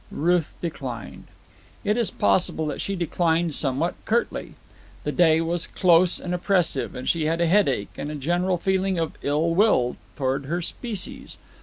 Ruth declined. It is possible that she declined somewhat curtly. The day was close and oppressive, and she had a headache and a general feeling of ill will toward her species.